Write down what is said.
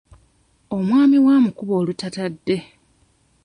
Omwami we amukuba olutatadde.